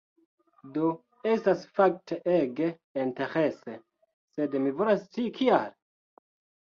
Do, estas fakte ege interese, sed mi volas scii kial?